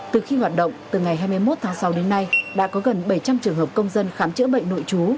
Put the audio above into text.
từ khi hoạt động từ ngày hai mươi một tháng sáu đến nay đã có gần bảy trăm linh trường hợp công dân khám chữa bệnh nội trú